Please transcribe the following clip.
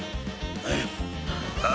ああ。